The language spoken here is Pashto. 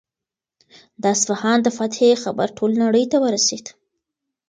د اصفهان د فتحې خبر ټولې نړۍ ته ورسېد.